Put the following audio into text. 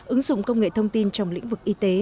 ứng dụng công nghệ thông tin trong lĩnh vực y tế